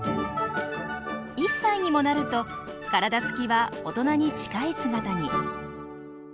１歳にもなると体つきは大人に近い姿に。